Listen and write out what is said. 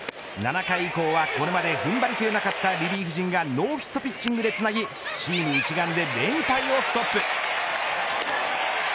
７回以降は、これまで踏ん張り切れなかったリリーフ陣がノーヒットピッチングでつなぎチーム一丸で連敗をストップ。